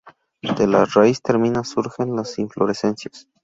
De la raíz termina surgen las inflorescencias.